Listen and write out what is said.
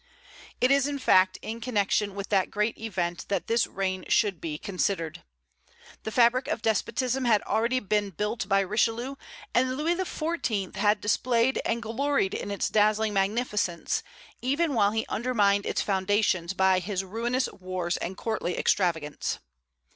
It is in fact in connection with that great event that this reign should be considered. The fabric of despotism had already been built by Richelieu, and Louis XIV. had displayed and gloried in its dazzling magnificence, even while he undermined its foundations by his ruinous wars and courtly extravagance.